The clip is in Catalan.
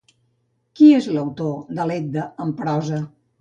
Qui és l'autor de l'Edda en prosa?